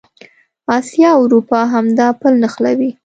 اسیا او اروپا همدا پل نښلوي.